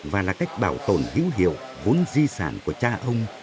và là cách bảo tồn hữu hiệu vốn di sản của cha ông